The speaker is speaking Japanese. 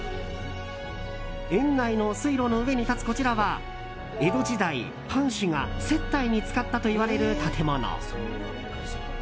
園内の水路の上に立つこちらは江戸時代、藩主が接待に使ったといわれる建物。